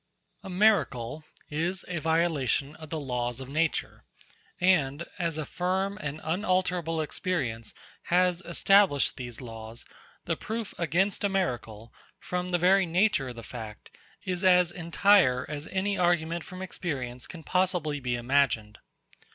A miracle is a violation of the laws of nature; and as a firm and unalterable experience has established these laws, the proof against a miracle, from the very nature of the fact, is as entire as any argument from experience can possibly be imagined.